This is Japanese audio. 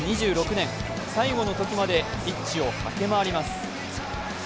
２６年、最後の時までピッチを駆け回ります。